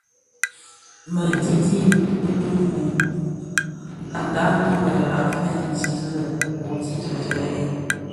MË ndhi kibuň ki mum ndhami wuèl a feegsi ti lè: wuodhi dii le yèn.